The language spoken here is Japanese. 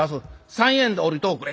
三円で下りとおくれ」。